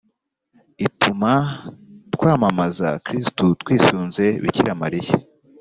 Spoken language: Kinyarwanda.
ituma twamamaza kristu twisunze bikira mariya